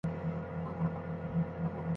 কদক ধারি কে?